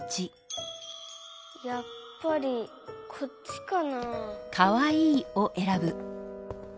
やっぱりこっちかなあ？